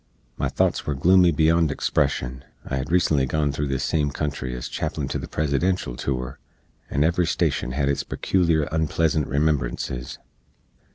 My thots were gloomy beyond expression. I hed recently gone through this same country ez chaplin to the Presidential tour, and every stashen hed its pecooliar onpleasant remembrances.